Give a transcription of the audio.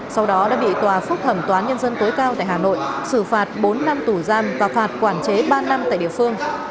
sau đó đã bị tòa phúc thẩm toán nhân dân tối cao tại hà nội xử phạt bốn năm tù giam và phạt quản chế ba năm tại địa phương